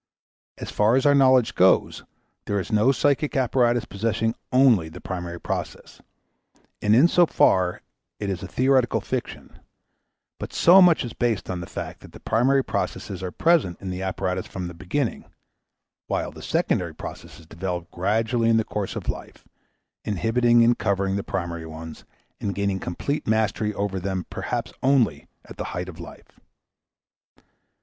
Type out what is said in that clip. As far as our knowledge goes there is no psychic apparatus possessing only the primary process, and in so far it is a theoretic fiction; but so much is based on fact that the primary processes are present in the apparatus from the beginning, while the secondary processes develop gradually in the course of life, inhibiting and covering the primary ones, and gaining complete mastery over them perhaps only at the height of life.